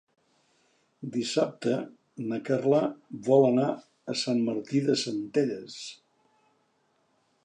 Dissabte na Carla vol anar a Sant Martí de Centelles.